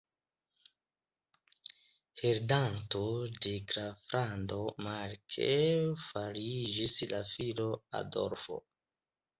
Heredanto de Graflando Mark fariĝis la filo Adolfo.